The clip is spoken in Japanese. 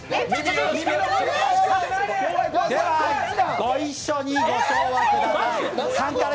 では、ご一緒にご唱和ください